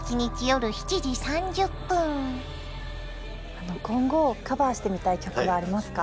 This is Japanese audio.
あの今後カバーしてみたい曲はありますか？